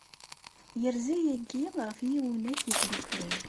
Yerza yagi ɣef Yiwunak Yeddukklen.